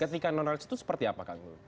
ketika non realistis itu seperti apa kang gunggun